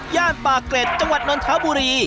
ปากเกร็ดจังหวัดนนทบุรี